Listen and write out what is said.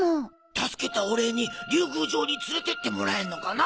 助けたお礼に竜宮城に連れてってもらえんのかな？